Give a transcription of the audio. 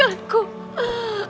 kanda pasti akan mengabaikanku